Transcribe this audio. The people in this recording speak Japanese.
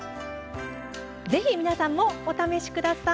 ぜひ皆さんも、お試しください。